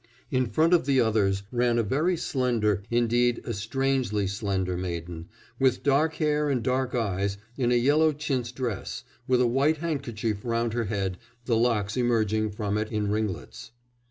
"In front of the others ... ran a very slender, indeed a strangely slender maiden, with dark hair and dark eyes, in a yellow chintz dress, with a white handkerchief round her head, the locks emerging from it in ringlets."